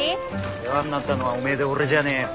世話になったのはおめえで俺じゃねえよ。